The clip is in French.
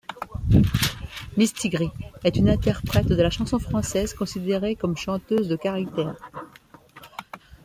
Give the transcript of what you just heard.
Mistigri est une interprète de la chanson française, considérée comme chanteuse de caractère.